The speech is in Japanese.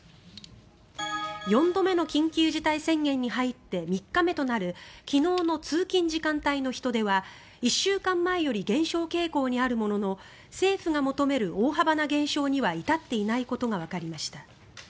４度目の緊急事態宣言に入って３日目となる昨日の通勤時間帯の人出は１週間前より減少傾向にあるものの政府が求める大幅な減少には至っていないことがわかりました。